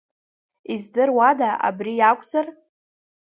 Издыруада абри иакәзар!